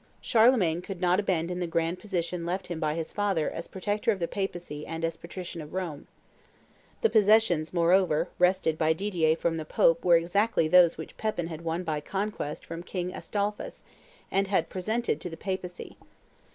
Charlemagne could not abandon the grand position left him by his father as protector of the Papacy and as patrician of Rome. The possessions, moreover, wrested by Didier from the Pope were exactly those which Pepin had won by conquest from King Astolphus, and had presented to the Papacy.